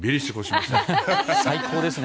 最高ですね。